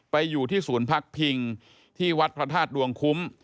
อยู่ที่ศูนย์พักพิงที่วัดพระธาตุดวงคุ้ม